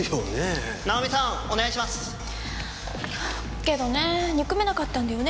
けどねぇ憎めなかったんだよね